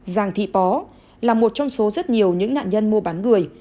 giàng thị pó là một trong số rất nhiều những nạn nhân mua bán người